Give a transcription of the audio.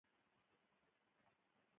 سمه ده، خو احتیاط کوه، زه به همالته درشم.